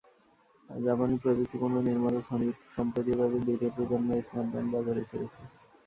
জাপানি প্রযুক্তিপণ্য নির্মাতা সনি সম্প্রতি তাদের দ্বিতীয় প্রজন্মের স্মার্টব্যান্ড বাজারে ছেড়েছে।